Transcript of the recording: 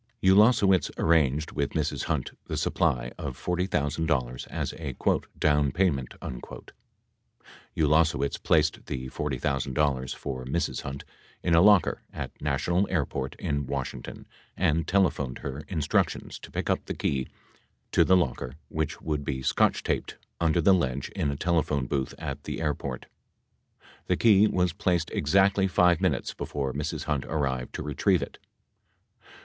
Ulasewicz arranged with Mrs. Hunt the supply of $40,000 as a "down payment." 80 Ulasewicz placed the $40,000 for Mrs. Hunt in a locker at National Airport in Washington and telephoned her instruc tions to pick up the key to the locker which would be scotch taped under the ledge in a telephone booth at the airport. The key was placed exactly 5 minutes before Mrs. Hunt arrived to retrieve it.